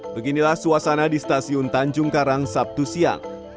beginilah suasana di stasiun tanjung karang sabtu siang